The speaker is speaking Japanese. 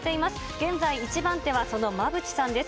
現在、１番手はその馬淵さんです。